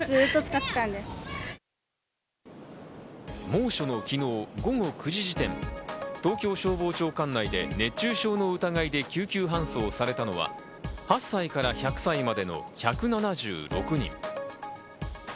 猛暑の昨日、午後９時時点、東京消防庁管内で熱中症の疑いで救急搬送されたのは８歳から１００歳までの１７６人。